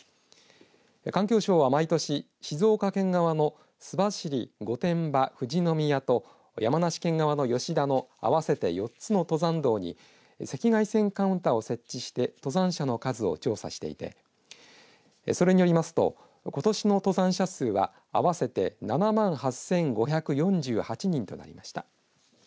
環境省は毎年静岡県側の須走、御殿場富士宮と、山梨県側の吉田のあわせて４つの登山道に赤外線カウンターを設置して登山者の数を調査していてそれによりますとことしの登山者数は合わせて７万８５４８人となりました。